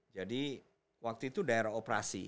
jadi waktu itu daerah operasi